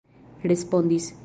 respondis